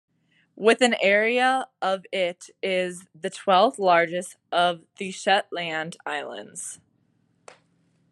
With an area of it is the twelfth largest of the Shetland Islands.